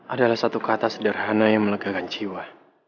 adalah satu kata sederhana yang melegakan jiwa